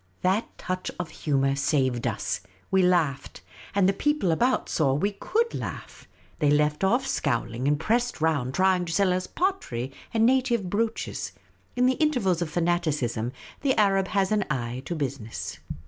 That touch of humour saved us. We laughed ; and the people about saw we could laugh. They left off scowling, and pressed around trying to sell us pottery and native brooches. In the intervals of fanaticism, the Arab has an eye to business.